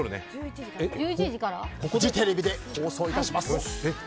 フジテレビで放送いたします！